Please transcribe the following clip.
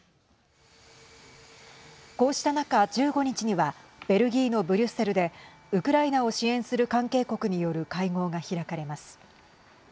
こうした中、１５日にはベルギーのブリュッセルでウクライナを支援する関係国による会合が開かれます。